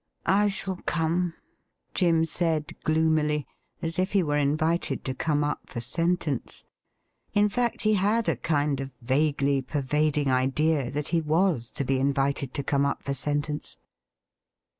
' I shall come,' Jim said gloomily, as if he were invited to come up for sentence. In fact, he had a kind of vaguely pervading idea that he was to be invited to come up for sentence.